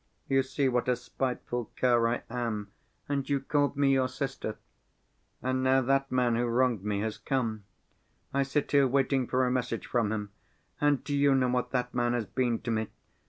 You see what a spiteful cur I am, and you called me your sister! And now that man who wronged me has come; I sit here waiting for a message from him. And do you know what that man has been to me?